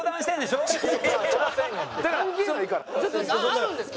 あるんですか？